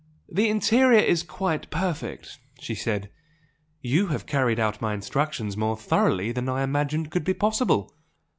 "The interior is quite perfect" she said "You have carried out my instructions more thoroughly than I imagined could be possible.